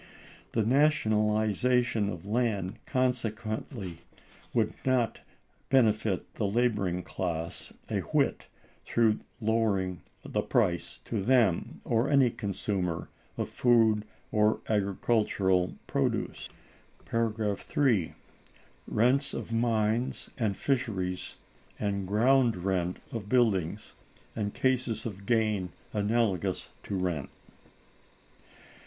The nationalization of the land, consequently, would not benefit the laboring classes a whit through lowering the price to them, or any consumer, of food or agricultural produce. § 3. Rent of Mines and Fisheries and ground rent of Buildings, and cases of gain analogous to Rent.